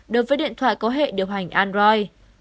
đối với điện thoại có hệ điều hành android